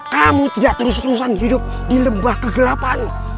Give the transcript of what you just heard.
kamu tidak terus terusan hidup di lebah kegelapan